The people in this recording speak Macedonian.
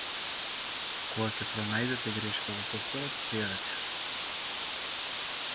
Кога ќе пронајдете грешка во софтверот, пријавете ја.